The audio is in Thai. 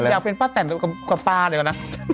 เนี่ยอยากเป็นป้าแตนก็กับป้ากดีกว่าน่ะ